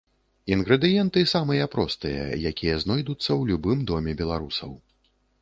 Інгрэдыенты самыя простыя, якія знойдуцца ў любым доме беларусаў.